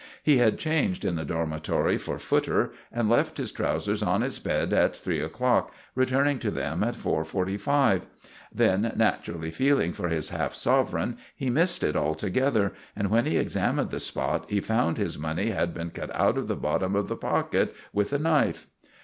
He had changed in the dormitory for "footer," and left his trousers on his bed at three o'clock, returning to them at 4.45. Then, naturally feeling for his half sovereign, he missed it altogether, and when he examined the spot he found his money had been cut out of the bottom of the pocket with a knife.